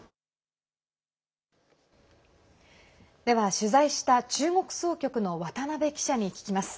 取材した中国総局の渡辺記者に聞きます。